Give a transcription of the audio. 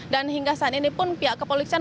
dan hingga saat ini pun pihak kepolisian